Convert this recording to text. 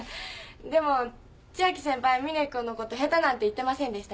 でも千秋先輩峰君のこと下手なんて言ってませんでしたよ。